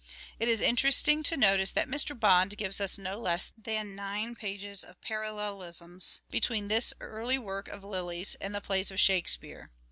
It is intetesting to notice that Mr. Bond gives us no less than nine pages of parallelisms between this early work of Lyly's and the plays of Shakespeare.